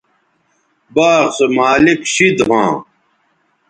باغ سو مالک شید ھواں